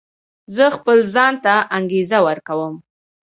زه خپل ځان ته انګېزه ورکوم.